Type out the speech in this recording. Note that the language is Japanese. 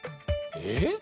えっ？